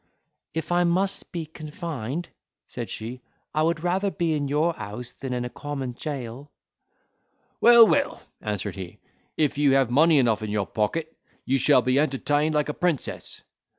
"If I must be confined," said she, "I would rather be in your house than in a common jail." "Well, well," answered he, "if you have money enough in your pocket, you shall be entertained like a princess."